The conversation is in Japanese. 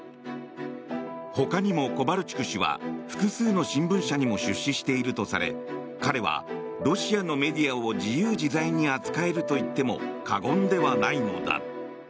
他にもコバルチュク氏は複数の新聞社にも出資しているとされ彼はロシアのメディアを自由自在に扱えるといっても過言ではないのだ。